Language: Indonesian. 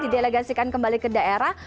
di delegasikan kembali ke daerah